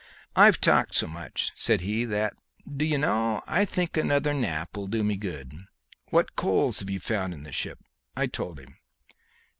"I've talked so much," said he, "that, d'ye know, I think another nap will do me good. What coals have you found in the ship?" I told him.